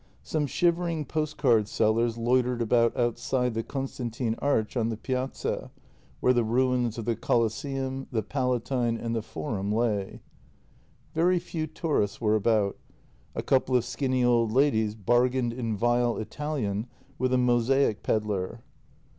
Some shivering postcard sellers loitered about outside the Constantin arch on the Piazza, where the ruins of the Coles seum, the Palatine, and the Forum lay. Very few tourists were about; a couple of skinny old ladies bargained in vile Italian with a mosaic pedlar.